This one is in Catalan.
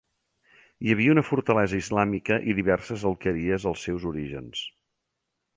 Hi havia una fortalesa islàmica i diverses alqueries als seus orígens.